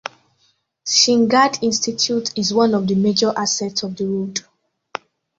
Sinhgad Institute is one of the major assets of the road.